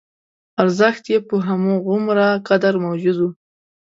ارزښت یې په همغومره قدر موجود و.